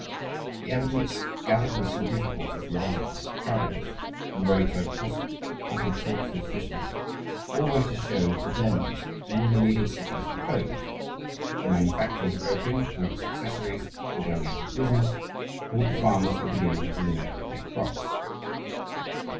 The evidence, gathered with some difficulty from residents and travellers, from roadside gossip, and from talks with officials, all went to show that the dens in all the leading cities were closed, that the manufacturers of opium and its accessories were going out of business, and that the farmers were beginning to limit their crops.